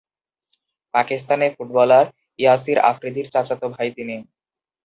Pakistani footballer Yasir আফ্রিদি’র চাচাতো ভাই তিনি।